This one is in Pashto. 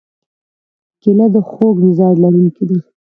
کېله د خوږ مزاج لرونکې ده.